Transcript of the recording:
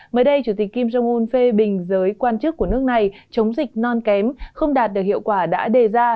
mới đây chủ tịch kim jong un phê bình giới quan chức của nước này chống dịch non kém không đạt được hiệu quả đã đề ra